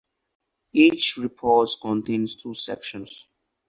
Each report contains two sections.